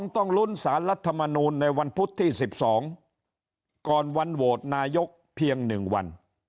ต้องลุ้นสารรัฐมนูลในวันพุธที่๑๒ก่อนวันโหวตนายกเพียง๑วัน